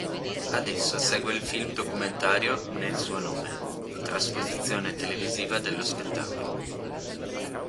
Ad esso segue il film-documentario "Nel Suo Nome" trasposizione televisiva dello spettacolo.